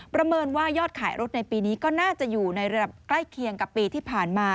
ประเมินว่ายอดขายรถในปีนี้ก็น่าจะอยู่ในระดับใกล้เคียงกับปีที่ผ่านมา